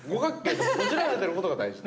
具が閉じられていることが大事で。